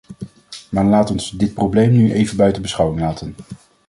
Maar laat ons dit probleem nu even buiten beschouwing laten.